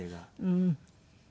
うん。